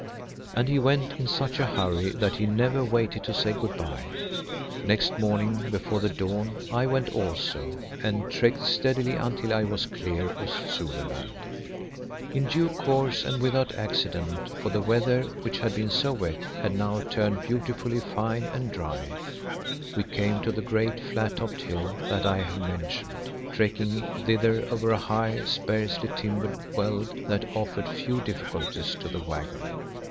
And he went in such a hurry that he never waited to say good bye. Next morning before the dawn I went also and trekked steadily until I was clear of Zululand. In due course and without accident, for the weather, which had been so wet, had now turned beautifully fine and dry, we came to the great, flat topped hill that I have mentioned, trekking thither over high, sparsely timbered veld that offered few difficulties to the waggon.